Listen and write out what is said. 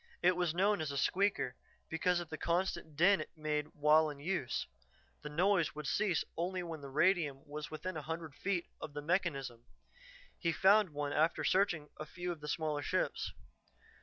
It was known as a "squeaker" because of the constant din it made while in use; the noise would cease only when radium was within a hundred feet of the mechanism. He found one after searching a few of the smaller ships.